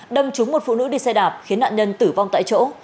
đâm trúng một phụ nữ đi xe đạp khiến nạn nhân tử vong tại chỗ